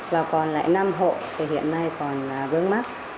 và còn lại năm hộ thì hiện nay còn vướng mắt